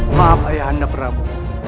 maaf ayah anda peramu